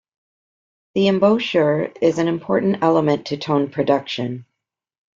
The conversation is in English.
The embouchure is an important element to tone production.